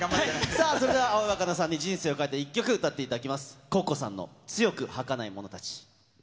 さあそれでは、葵わかなさんに人生を変えた曲、歌っていただきます。